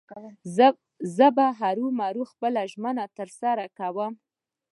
زه به هرو مرو خپله ژمنه تر سره کوم.